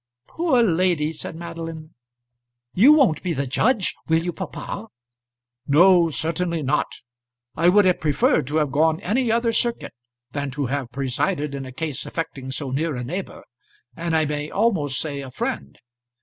"Poor lady!" said Madeline. "You won't be the judge; will you, papa?" "No, certainly not. I would have preferred to have gone any other circuit than to have presided in a case affecting so near a neighbour, and I may almost say a friend.